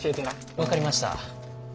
分かりました。